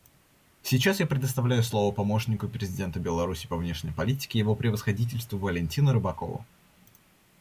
Сейчас я предоставляю слово помощнику президента Беларуси по внешней политике Его Превосходительству Валентину Рыбакову.